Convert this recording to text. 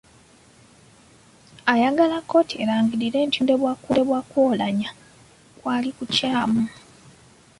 Ayagala kkooti erangirire nti okulondebwa kwa Oulanyah kwali kukyamu .